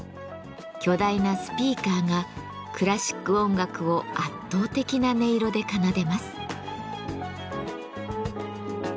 巨大なスピーカーがクラシック音楽を圧倒的な音色で奏でます。